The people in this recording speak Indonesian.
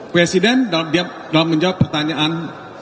presiden dalam menjawab pertanyaan